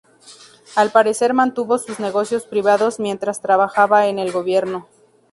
Al parecer mantuvo sus negocios privados mientras trabajaba en el Gobierno.